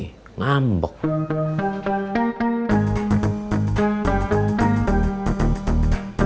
ianya geram nggumbsiachem